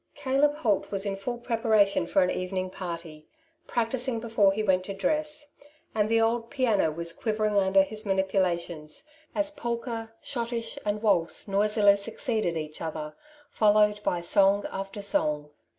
Caleb Holt was in full preparation for an evening party, practising before he went to dress ; and the old piemo was quivering under his manipulations, as polka, schottisch, and waltz noisily succeeded each other, followed by song after song.